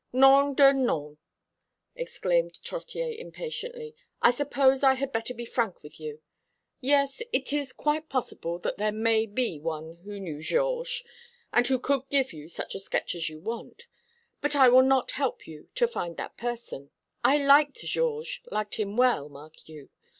"Nom d'un nom", exclaimed Trottier impatiently, "I suppose I had better be frank with you. Yes, it is quite possible there may be some one who knew Georges, and who could give you such a sketch as you want. But I will not help you to find that person. I liked Georges liked him well, mark you.